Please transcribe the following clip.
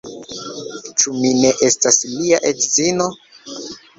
Ĉu mi ne estas lia edzino?